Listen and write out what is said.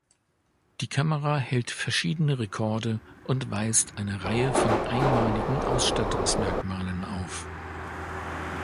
Die Kamera hält verschiedene Rekorde und weist eine Reihe von einmaligen Ausstattungsmerkmalen auf.